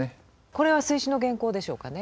これは「水死」の原稿でしょうかね。